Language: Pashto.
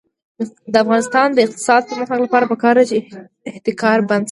د افغانستان د اقتصادي پرمختګ لپاره پکار ده چې احتکار بند شي.